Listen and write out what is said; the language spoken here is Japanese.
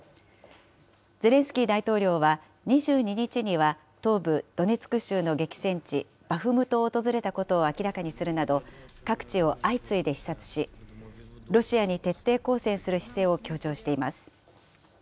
ゼレンスキー大統領は２２日には、東部ドネツク州の激戦地、バフムトを訪れたことを明らかにするなど、各地を相次いで視察し、ロシアに徹底抗戦する姿勢を強調しています。